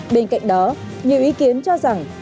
bên cạnh đó nhiều ý kiến cho rằng